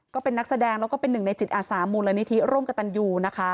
ก็เป็นนักแสดงแล้วก็เป็นหนึ่งในจิตอาสามูลนิธิร่วมกับตันยูนะคะ